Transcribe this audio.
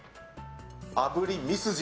あぶりミスジ。